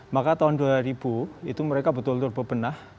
maka tahun dua ribu itu mereka betul betul bebenah